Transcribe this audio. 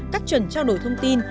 cắt chuẩn trao đổi thông tin